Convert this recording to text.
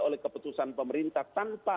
oleh keputusan pemerintah tanpa